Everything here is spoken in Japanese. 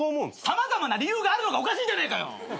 様々な理由があるのがおかしいじゃねえかよ！